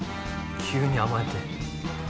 急に甘えて。